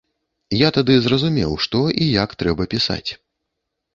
Я тады зразумеў, што і як трэба пісаць.